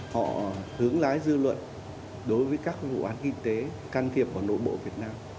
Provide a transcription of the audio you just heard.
họ hướng lái dư luận đối với các vụ án kinh tế